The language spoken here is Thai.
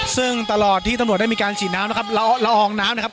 ซึ่งตลอดที่ตำรวจได้มีการฉีดน้ำนะครับเราละอองน้ำนะครับ